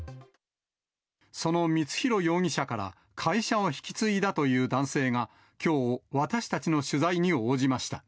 その光弘容疑者から会社を引き継いだという男性が、きょう、私たちの取材に応じました。